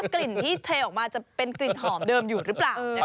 กลิ่นที่เทออกมาจะเป็นกลิ่นหอมเดิมอยู่หรือเปล่า